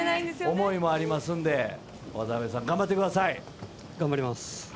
思いもありますんで渡さん頑張ってください。